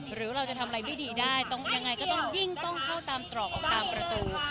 หรือว่าเราจะทำอะไรไม่ดีได้ยิ่งต้องเข้าตามตรอกตามประตู